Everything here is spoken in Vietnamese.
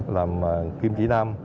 làm kim chỉ nam